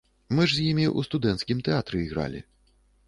Мы ж з ім і ў студэнцкім тэатры ігралі.